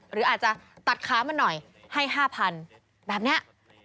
หรืออาจจะตัดขามันหน่อยให้๕๐๐๐แบบนี้